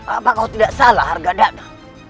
apa kalau tidak salah harga dana